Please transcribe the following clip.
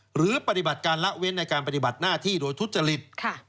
หรือปฏิบัติการละเว้นในการปฏิบัติหน้าที่โดยทุจริต